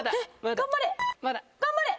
頑張れ！